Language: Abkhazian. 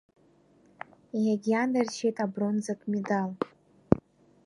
Иагьианаршьеит абронзатә медал.